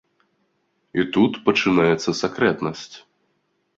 І тут пачынаецца сакрэтнасць.